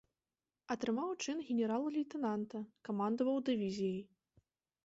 Атрымаў чын генерал-лейтэнанта, камандаваў дывізіяй.